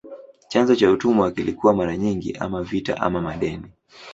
Chanzo cha utumwa kilikuwa mara nyingi ama vita ama madeni.